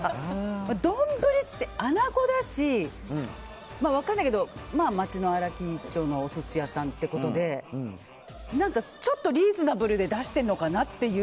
丼って穴子だし分かんないけど、町の荒木町のお寿司屋さんってことでちょっとリーズナブルで出してるのかなっていう。